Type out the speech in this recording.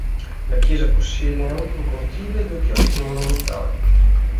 La chiesa possiede anche un cortile e due chiostri monumentali.